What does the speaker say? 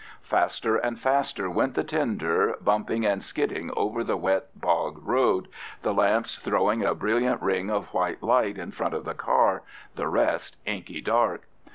Faster and faster went the tender, bumping and skidding over the wet bog road, the lamps throwing a brilliant ring of white light in front of the car, the rest inky dark.